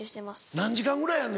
何時間ぐらいやるの？